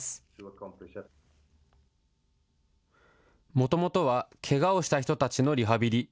もともとはけがをした人たちのリハビリ。